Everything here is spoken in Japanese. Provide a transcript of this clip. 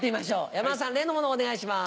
山田さん例のものをお願いします。